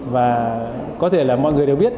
và có thể là mọi người đều biết